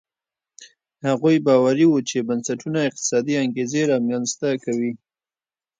هغوی باوري وو چې بنسټونه اقتصادي انګېزې رامنځته کوي.